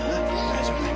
大丈夫だ。